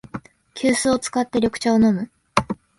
急須を使って緑茶を飲む